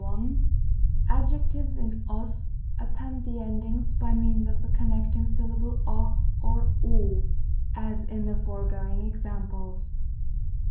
L Adjectives in og append the endings by means of the connecting syllable o (c?), (g. n.), as in the foregoing examples.